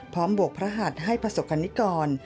พร้อมบวกพระหัทฐ์ให้ภาโศกรรณิกร